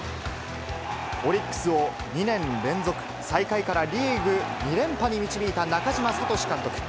オリックスを２年連続最下位からリーグ２連覇に導いた中嶋聡監督。